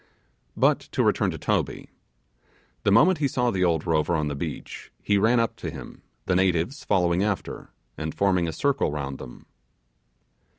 But to return to Toby. The moment he saw the old rover on the beach, he ran up to him, the natives following after, and forming a circle round them.